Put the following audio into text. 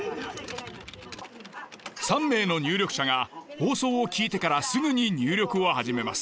３名の入力者が放送を聞いてからすぐに入力を始めます。